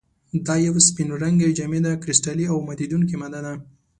دا یوه سپین رنګې، جامده، کرسټلي او ماتیدونکې ماده ده.